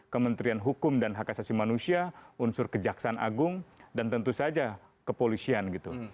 kementerian hukum dan hak asasi manusia unsur kejaksaan agung dan tentu saja kepolisian gitu